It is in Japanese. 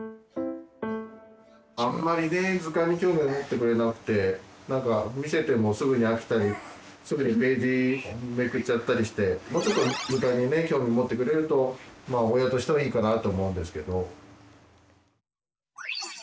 あんまりね図鑑に興味をもってくれなくて見せてもすぐに飽きたりすぐにページめくっちゃったりしてもうちょっと図鑑に興味もってくれると親としてはいいかなと思うんですけど。